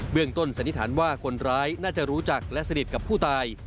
เรื่องต้นสันนิษฐานว่าคนร้ายน่าจะรู้จักและสนิทกับผู้ตาย